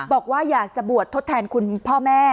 บอกว่าอยากจะบวชทดแทนคุณพ่อแม่